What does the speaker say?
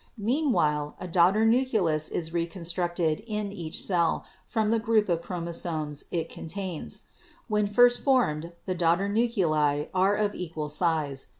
Meanwhile a daughter nucleus is reconstructed in each cell from the group of chromo somes it contains. When first formed the daughter nuclei are of equal size.